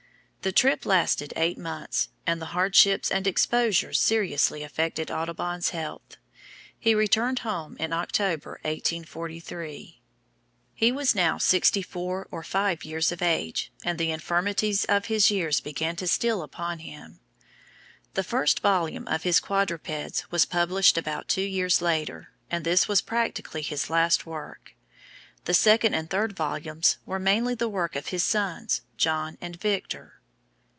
The trip lasted eight months, and the hardships and exposures seriously affected Audubon's health. He returned home in October, 1843. He was now sixty four or five years of age, and the infirmities of his years began to steal upon him. The first volume of his "Quadrupeds" was published about two years later, and this was practically his last work. The second and third volumes were mainly the work of his sons, John and Victor.